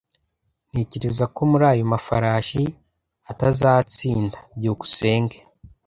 Ntekereza ko muri ayo mafarashi atazatsinda. byukusenge